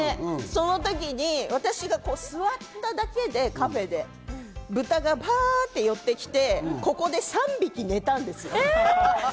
その時に私が座っただけでカフェで豚がパッと寄ってきて、ここで３匹寝たんですよ。